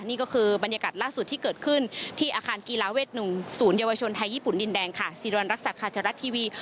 นี่ก็คือบรรยากาศล่าสุดที่เกิดขึ้นที่อาคารกีล้าเว็ดหนึ่งสูรเยาวชนไทยญี่ปุ่นดินแดงซีรีวัลรักษอขาทรัฐทิวี